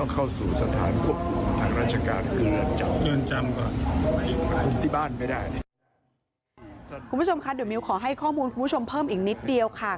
คุณผู้ชมคะเดี๋ยวมิวขอให้ข้อมูลคุณผู้ชมเพิ่มอีกนิดเดียวค่ะ